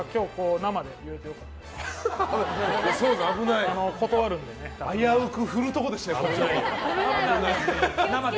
危うく振るところでしたよ。